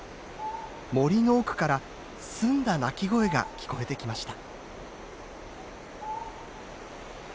森の奥から澄んだ鳴き声が聞こえてきました。